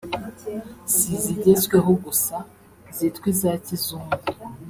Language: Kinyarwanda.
si izigezweho gusa (zitwa iza kizungu)